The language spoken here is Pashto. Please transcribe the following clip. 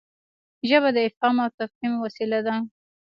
ژبه د افهام او تفهیم وسیله ده.